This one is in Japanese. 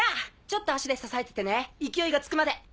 ちょっと足で支えててね勢いがつくまで。